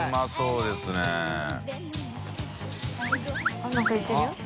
あっ何か言ってるよ？